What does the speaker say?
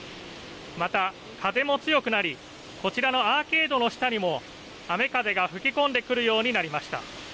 また風も強くなり、こちらのアーケードの下にも雨風が吹き込んでくるようになりました。